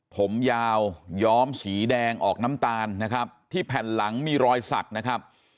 ผมยาวย้อมสีแดงออกน้ำตาลนะครับที่แผ่นหลังมีรอยสักนะครับ